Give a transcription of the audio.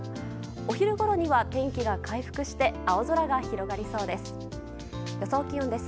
お昼ごろには天気が回復して青空が広がりそうです。